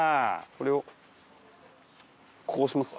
これをこうします。